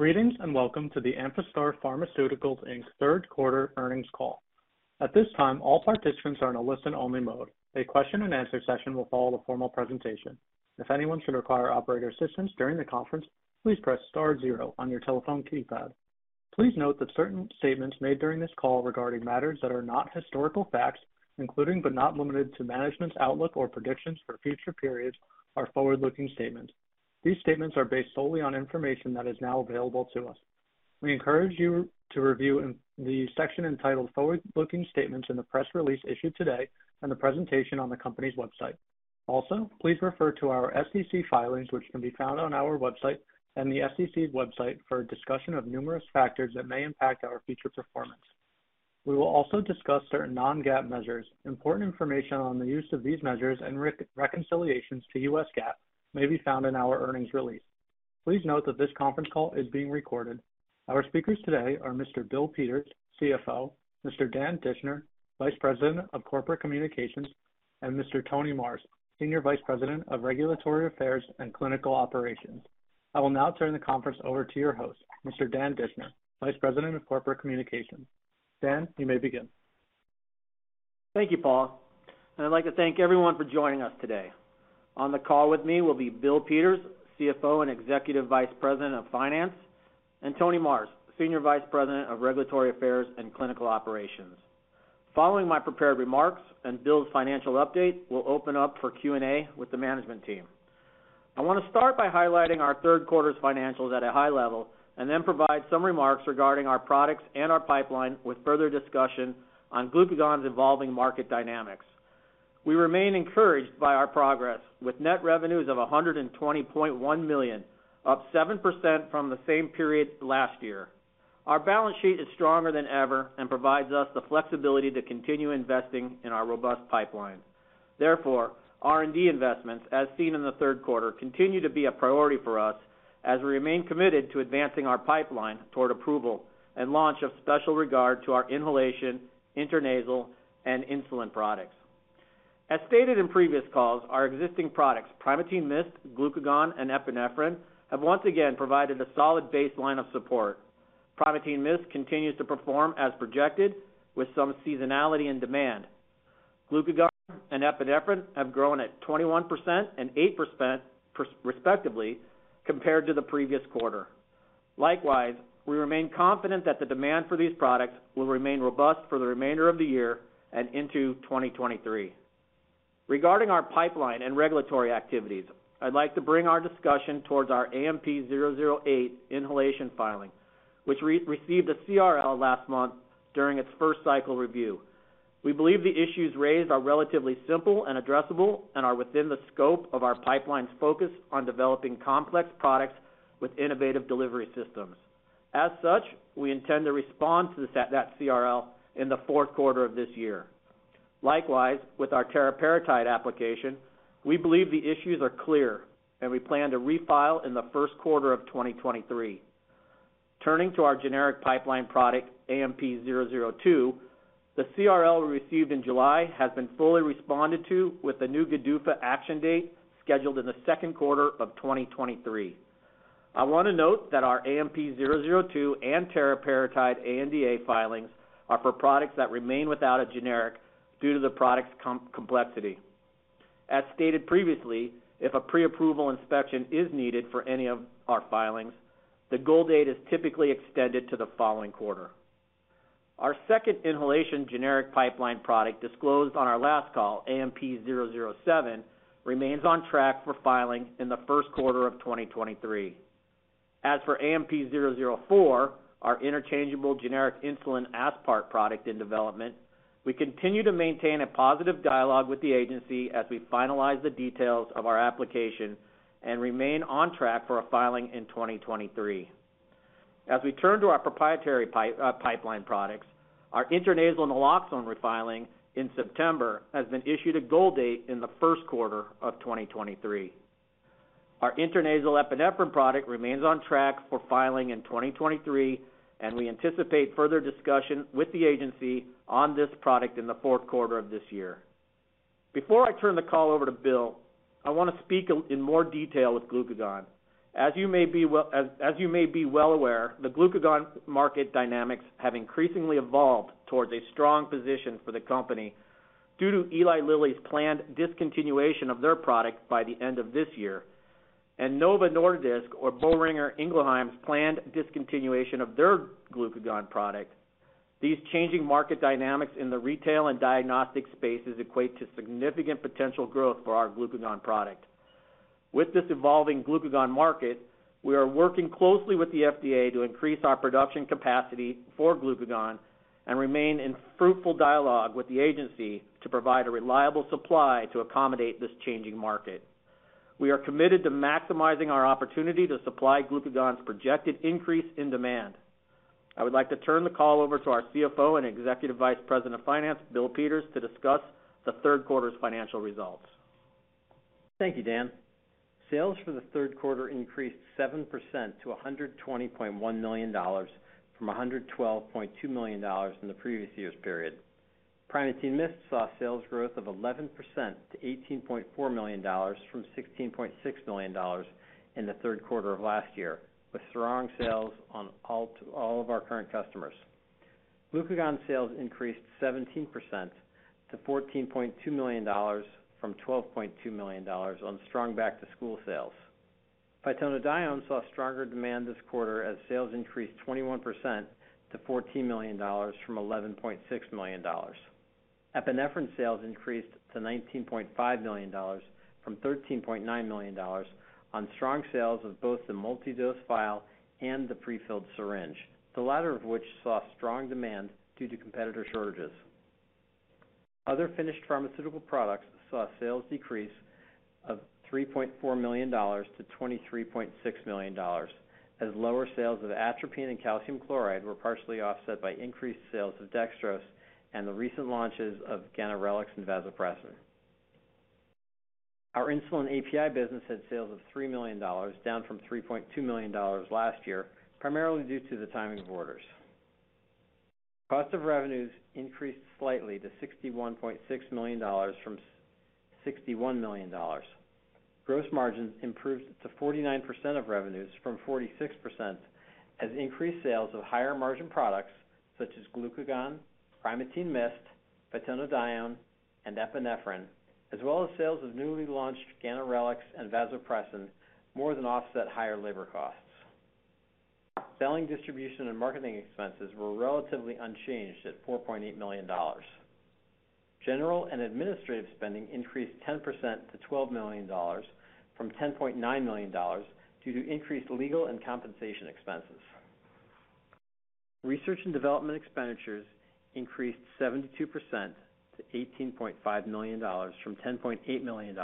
Greetings, and welcome to the Amphastar Pharmaceuticals Inc.'s third quarter earnings call. At this time, all participants are in a listen-only mode. A question and answer session will follow the formal presentation. If anyone should require operator assistance during the conference, please press star zero on your telephone keypad. Please note that certain statements made during this call regarding matters that are not historical facts, including but not limited to management's outlook or predictions for future periods, are forward-looking statements. These statements are based solely on information that is now available to us. We encourage you to review the section entitled "Forward-Looking Statements" in the press release issued today and the presentation on the company's website. Also, please refer to our SEC filings, which can be found on our website and the SEC's website for a discussion of numerous factors that may impact our future performance. We will also discuss certain non-GAAP measures. Important information on the use of these measures and reconciliations to US GAAP may be found in our earnings release. Please note that this conference call is being recorded. Our speakers today are Mr. Bill Peters, CFO, Mr. Dan Dischner, Vice President of Corporate Communications, and Mr. Tony Marrs, Senior Vice President of Regulatory Affairs and Clinical Operations. I will now turn the conference over to your host, Mr. Dan Dischner, Vice President of Corporate Communications. Dan, you may begin. Thank you, Paul, and I'd like to thank everyone for joining us today. On the call with me will be Bill Peters, CFO, and Executive Vice President of Finance, and Tony Marrs, Senior Vice President of Regulatory Affairs and Clinical Operations. Following my prepared remarks and Bill's financial update, we'll open up for Q&A with the management team. I want to start by highlighting our third quarter's financials at a high level, and then provide some remarks regarding our products and our pipeline with further discussion on glucagon's evolving market dynamics. We remain encouraged by our progress with net revenues of $120.1 million, up 7% from the same period last year. Our balance sheet is stronger than ever and provides us the flexibility to continue investing in our robust pipeline. R&D investments, as seen in the third quarter, continue to be a priority for us as we remain committed to advancing our pipeline toward approval and launch of special regard to our inhalation, intranasal, and insulin products. As stated in previous calls, our existing products, Primatene MIST, glucagon, and epinephrine, have once again provided a solid baseline of support. Primatene MIST continues to perform as projected with some seasonality and demand. Glucagon and epinephrine have grown at 21% and 8%, respectively, compared to the previous quarter. Likewise, we remain confident that the demand for these products will remain robust for the remainder of the year and into 2023. Regarding our pipeline and regulatory activities, I'd like to bring our discussion towards our AMP-008 inhalation filing, which received a CRL last month during its first cycle review. We believe the issues raised are relatively simple and addressable and are within the scope of our pipeline's focus on developing complex products with innovative delivery systems. As such, we intend to respond to that CRL in the fourth quarter of this year. Likewise, with our teriparatide application, we believe the issues are clear, and we plan to refile in the first quarter of 2023. Turning to our generic pipeline product, AMP-002, the CRL received in July has been fully responded to with the new GDUFA action date scheduled in the second quarter of 2023. I want to note that our AMP-002 and teriparatide ANDA filings are for products that remain without a generic due to the product's complexity. As stated previously, if a pre-approval inspection is needed for any of our filings, the goal date is typically extended to the following quarter. Our second inhalation generic pipeline product disclosed on our last call, AMP-007, remains on track for filing in the first quarter of 2023. As for AMP-004, our interchangeable generic insulin aspart product in development, we continue to maintain a positive dialogue with the agency as we finalize the details of our application and remain on track for a filing in 2023. As we turn to our proprietary pipeline products, our intranasal naloxone refiling in September has been issued a goal date in the first quarter of 2023. Our intranasal epinephrine product remains on track for filing in 2023, and we anticipate further discussion with the agency on this product in the fourth quarter of this year. Before I turn the call over to Bill, I want to speak in more detail with glucagon. As you may be well aware, the glucagon market dynamics have increasingly evolved towards a strong position for the company due to Eli Lilly's planned discontinuation of their product by the end of this year and Novo Nordisk or Boehringer Ingelheim's planned discontinuation of their glucagon product. These changing market dynamics in the retail and diagnostic spaces equate to significant potential growth for our glucagon product. With this evolving glucagon market, we are working closely with the FDA to increase our production capacity for glucagon and remain in fruitful dialogue with the agency to provide a reliable supply to accommodate this changing market. We are committed to maximizing our opportunity to supply glucagon's projected increase in demand. I would like to turn the call over to our CFO and Executive Vice President of Finance, Bill Peters, to discuss the third quarter's financial results. Thank you, Dan. Sales for the third quarter increased 7% to $120.1 million from $112.2 million in the previous year's period. Primatene MIST saw sales growth of 11% to $18.4 million from $16.6 million in the third quarter of last year, with strong sales on all of our current customers. Glucagon sales increased 17% to $14.2 million from $12.2 million on strong back-to-school sales. phytonadione saw stronger demand this quarter as sales increased 21% to $14 million from $11.6 million. epinephrine sales increased to $19.5 million from $13.9 million on strong sales of both the multi-dose vial and the pre-filled syringe, the latter of which saw strong demand due to competitor shortages. Other finished pharmaceutical products saw sales decrease of $3.4 million to $23.6 million, as lower sales of atropine and calcium chloride were partially offset by increased sales of dextrose and the recent launches of ganirelix and vasopressin. Our insulin API business had sales of $3 million, down from $3.2 million last year, primarily due to the timing of orders. Cost of revenues increased slightly to $61.6 million from $61 million. Gross margins improved to 49% of revenues from 46%, as increased sales of higher-margin products such as glucagon, Primatene MIST, phytonadione, and epinephrine, as well as sales of newly launched ganirelix and vasopressin, more than offset higher labor costs. Selling, distribution, and marketing expenses were relatively unchanged at $4.8 million. General and administrative spending increased 10% to $12 million from $10.9 million due to increased legal and compensation expenses. Research and development expenditures increased 72% to $18.5 million from $10.8 million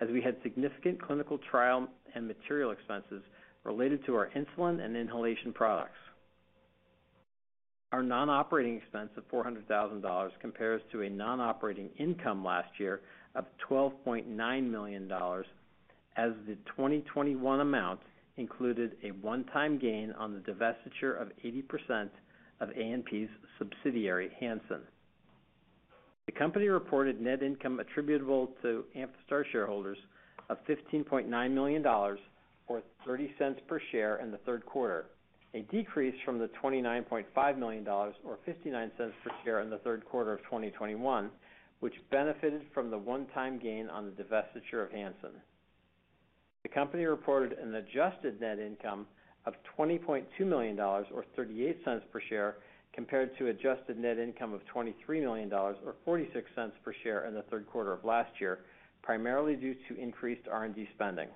as we had significant clinical trial and material expenses related to our insulin and inhalation products. Our non-operating expense of $400,000 compares to a non-operating income last year of $12.9 million as the 2021 amount included a one-time gain on the divestiture of 80% of ANP's subsidiary, Hanxin. The company reported net income attributable to Amphastar shareholders of $15.9 million, or $0.30 per share in the third quarter, a decrease from the $29.5 million or $0.59 per share in the third quarter of 2021, which benefited from the one-time gain on the divestiture of Hanxin. The company reported an adjusted net income of $20.2 million or $0.38 per share compared to adjusted net income of $23 million or $0.46 per share in the third quarter of last year, primarily due to increased R&D spending.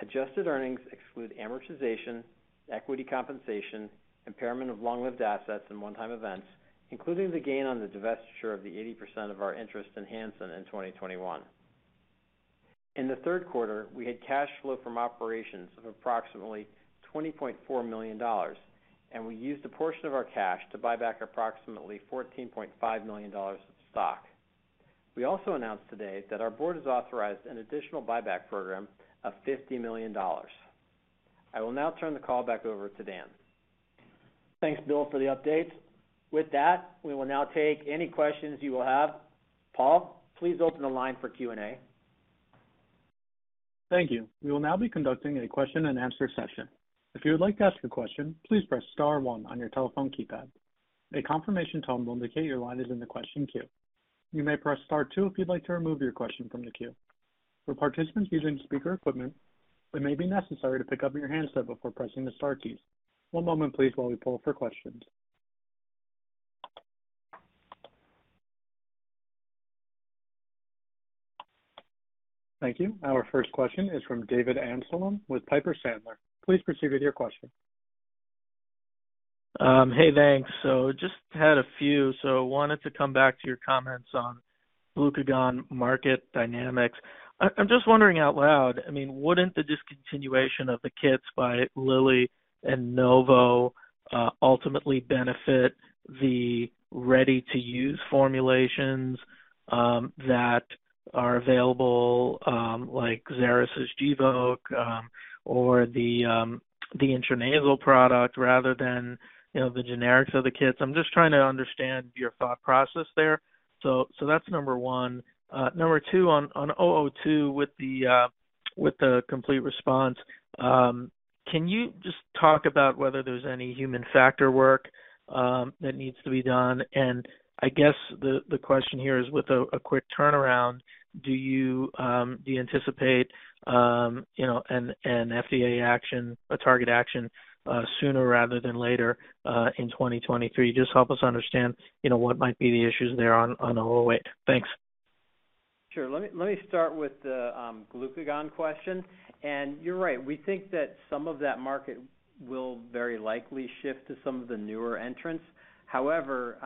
Adjusted earnings exclude amortization, equity compensation, impairment of long-lived assets and one-time events, including the gain on the divestiture of the 80% of our interest in Hanxin in 2021. In the third quarter, we had cash flow from operations of approximately $20.4 million, and we used a portion of our cash to buy back approximately $14.5 million of stock. We also announced today that our board has authorized an additional buyback program of $50 million. I will now turn the call back over to Dan. Thanks, Bill, for the update. With that, we will now take any questions you will have. Paul, please open the line for Q&A. Thank you. We will now be conducting a question and answer session. If you would like to ask a question, please press *1 on your telephone keypad. A confirmation tone will indicate your line is in the question queue. You may press *2 if you'd like to remove your question from the queue. For participants using speaker equipment, it may be necessary to pick up your handset before pressing the star keys. One moment, please, while we poll for questions. Thank you. Our first question is from David Amsellem with Piper Sandler. Please proceed with your question. Hey, thanks. Just had a few. Wanted to come back to your comments on glucagon market dynamics. I'm just wondering out loud, wouldn't the discontinuation of the kits by Lilly and Novo ultimately benefit the ready-to-use formulations that are available, like Xeris' Gvoke or the intranasal product rather than the generics of the kits? I'm just trying to understand your thought process there. That's number 1. Number 2, on AMP-002 with the complete response, can you just talk about whether there's any human factor work that needs to be done? And I guess the question here is with a quick turnaround, do you anticipate an FDA action, a target action sooner rather than later in 2023? Just help us understand what might be the issues there on the whole weight. Thanks. Sure. Let me start with the glucagon question. You're right. We think that some of that market will very likely shift to some of the newer entrants. However,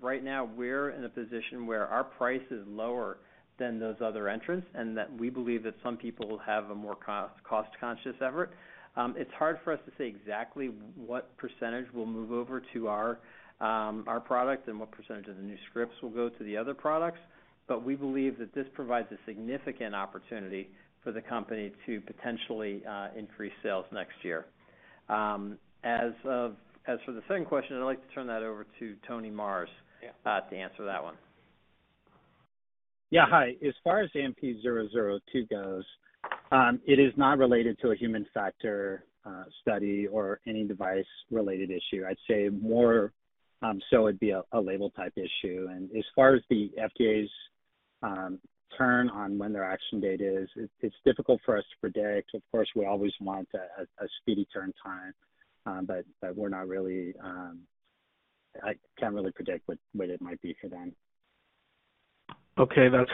right now we're in a position where our price is lower than those other entrants and that we believe that some people have a more cost-conscious effort. It's hard for us to say exactly what % will move over to our product and what % of the new scripts will go to the other products. We believe that this provides a significant opportunity for the company to potentially increase sales next year. As for the second question, I'd like to turn that over to Tony Marrs. Yeah To answer that one. Yeah. Hi. As far as AMP-002 goes, it is not related to a human factor study or any device-related issue. I'd say more so it'd be a label type issue. As far as the FDA's turn on when their action date is, it's difficult for us to predict. Of course, we always want a speedy turn time, but I can't really predict what it might be for them. Okay. That's.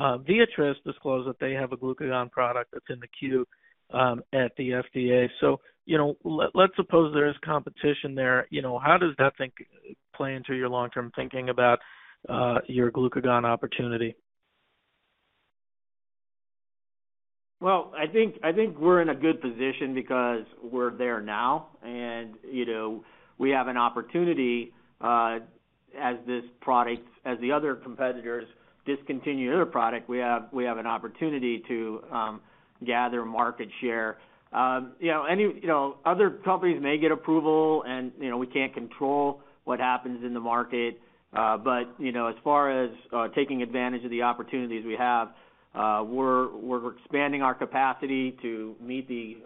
Viatris disclosed that they have a glucagon product that's in the queue at the FDA. Let's suppose there is competition there, how does that play into your long-term thinking about your glucagon opportunity? I think we're in a good position because we're there now. We have an opportunity, as the other competitors discontinue their product, we have an opportunity to gather market share. Other companies may get approval and we can't control what happens in the market. As far as taking advantage of the opportunities we have, we're expanding our capacity to meet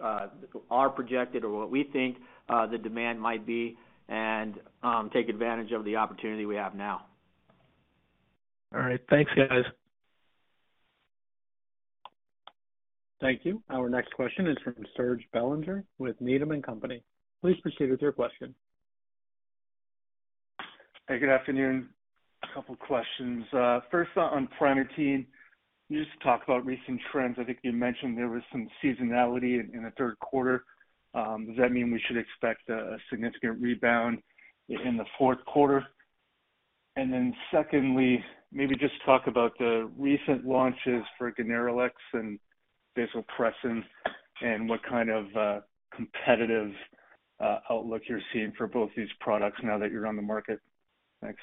our projected, or what we think the demand might be and take advantage of the opportunity we have now. All right. Thanks, guys. Thank you. Our next question is from Serge Belanger with Needham & Company. Please proceed with your question. Hey, good afternoon. A couple questions. First on Primatene. You just talked about recent trends. I think you mentioned there was some seasonality in the third quarter. Does that mean we should expect a significant rebound in the fourth quarter? Secondly, maybe just talk about the recent launches for ganirelix and vasopressin and what kind of competitive outlook you're seeing for both these products now that you're on the market. Thanks.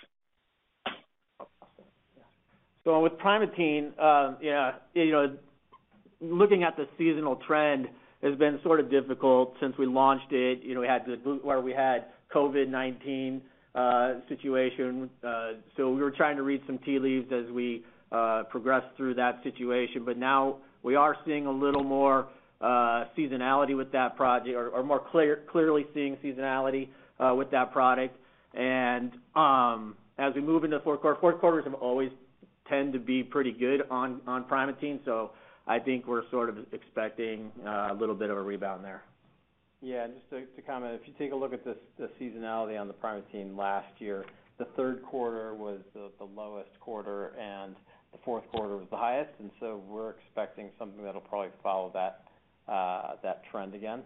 With Primatene, looking at the seasonal trend has been sort of difficult since we launched it. We had the COVID-19 situation. We were trying to read some tea leaves as we progressed through that situation. Now we are seeing a little more seasonality with that project or more clearly seeing seasonality with that product. As we move into fourth quarter, fourth quarters have always tend to be pretty good on Primatene. I think we're sort of expecting a little bit of a rebound there. Just to comment, if you take a look at the seasonality on the Primatene last year, the third quarter was the lowest quarter and the fourth quarter was the highest. We're expecting something that'll probably follow that trend again.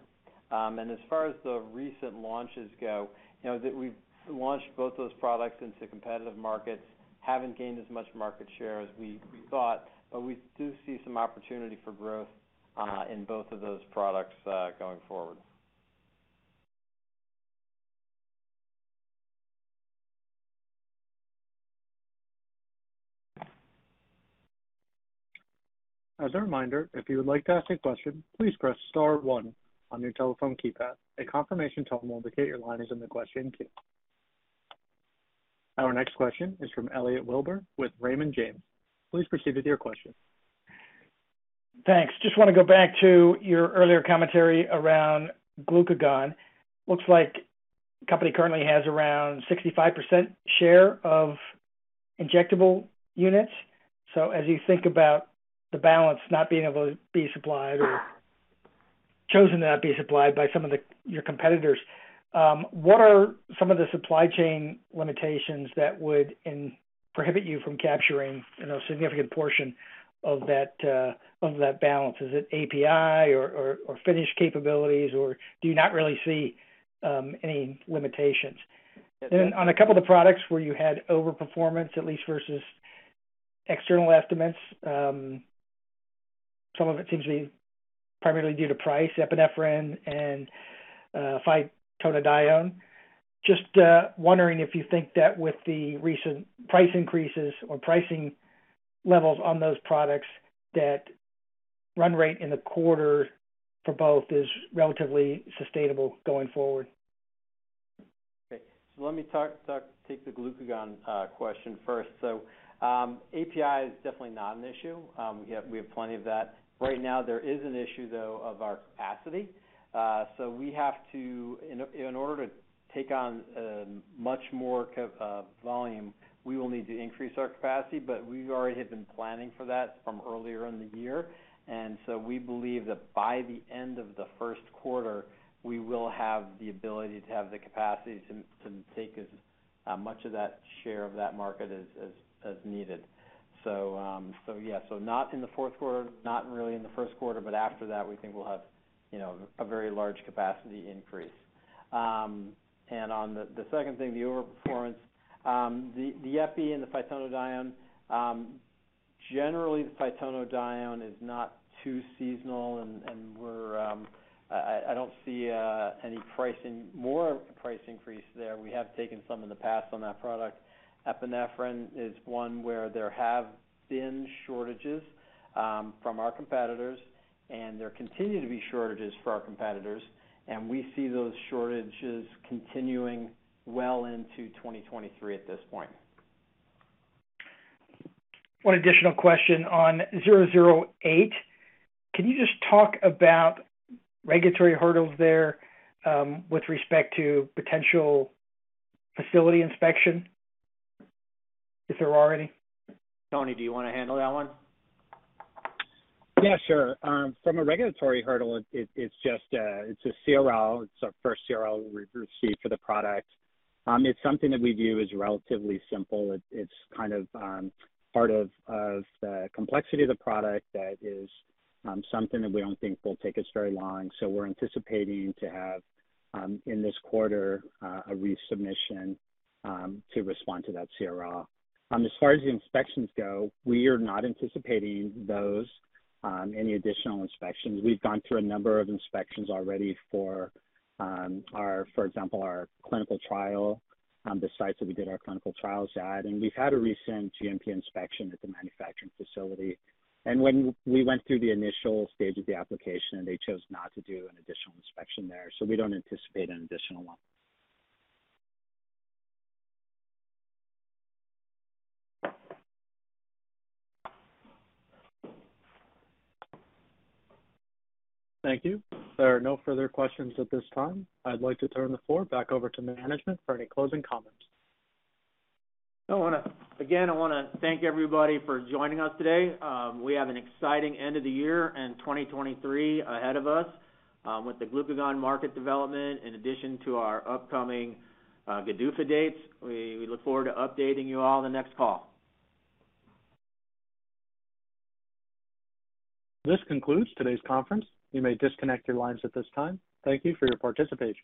As far as the recent launches go, that we've launched both those products into competitive markets, haven't gained as much market share as we thought, but we do see some opportunity for growth in both of those products going forward. As a reminder, if you would like to ask a question, please press star one on your telephone keypad. A confirmation tone will indicate your line is in the question queue. Our next question is from Elliot Wilbur with Raymond James. Please proceed with your question. Thanks. Just want to go back to your earlier commentary around glucagon. Looks like the company currently has around 65% share of injectable units. As you think about the balance not being able to be supplied or chosen to not be supplied by some of your competitors, what are some of the supply chain limitations that would prohibit you from capturing a significant portion of that balance? Is it API or finish capabilities, or do you not really see any limitations? On a couple of the products where you had overperformance, at least versus external estimates, some of it seems to be primarily due to price, epinephrine and phytonadione. Just wondering if you think that with the recent price increases or pricing levels on those products, that run rate in the quarter for both is relatively sustainable going forward. Let me take the glucagon question first. API is definitely not an issue. We have plenty of that. Right now, there is an issue, though, of our capacity. In order to take on much more volume, we will need to increase our capacity. We already have been planning for that from earlier in the year, and we believe that by the end of the first quarter, we will have the ability to have the capacity to take as much of that share of that market as needed. Yeah. Not in the fourth quarter, not really in the first quarter, but after that, we think we'll have a very large capacity increase. And on the second thing, the overperformance, the epi and the phytonadione, generally the phytonadione is not too seasonal, and we're I don't see any more price increase there. We have taken some in the past on that product. Epinephrine is one where there have been shortages from our competitors, and there continue to be shortages for our competitors, and we see those shortages continuing well into 2023 at this point. One additional question on zero zero eight. Can you just talk about regulatory hurdles there, with respect to potential facility inspection, if there are any? Tony, do you want to handle that one? Yeah, sure. From a regulatory hurdle, it's a CRL. It's our first CRL re-receive for the product. It's something that we view as relatively simple. It's part of the complexity of the product that is something that we don't think will take us very long. We're anticipating to have, in this quarter, a resubmission to respond to that CRL. As far as the inspections go, we are not anticipating those, any additional inspections. We've gone through a number of inspections already for example, our clinical trial, the sites that we did our clinical trials at. We've had a recent GMP inspection at the manufacturing facility. When we went through the initial stage of the application, they chose not to do an additional inspection there, so we don't anticipate an additional one. Thank you. There are no further questions at this time. I'd like to turn the floor back over to management for any closing comments. Again, I want to thank everybody for joining us today. We have an exciting end of the year and 2023 ahead of us, with the glucagon market development, in addition to our upcoming GDUFA dates. We look forward to updating you all the next call. This concludes today's conference. You may disconnect your lines at this time. Thank you for your participation.